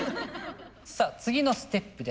さあ次のステップです。